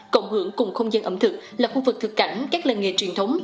cộng hưởng cùng không gian ẩm thực là khu vực thực cảnh các làng nghề truyền thống